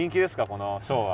このショーは。